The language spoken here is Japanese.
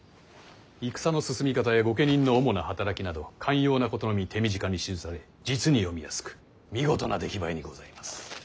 戦の進み方や御家人の主な働きなど肝要なことのみ手短に記され実に読みやすく見事な出来栄えにございます。